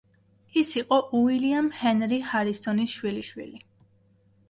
ის იყო უილიამ ჰენრი ჰარისონის შვილიშვილი.